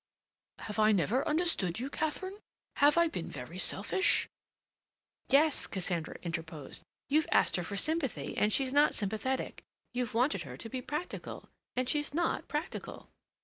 "Have I never understood you, Katharine? Have I been very selfish?" "Yes," Cassandra interposed. "You've asked her for sympathy, and she's not sympathetic; you've wanted her to be practical, and she's not practical.